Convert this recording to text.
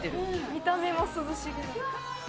見た目も涼しげ。